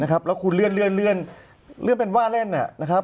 แล้วคุณเลื่อนเลื่อนเป็นว่าเล่น